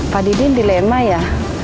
pak didi dilema ya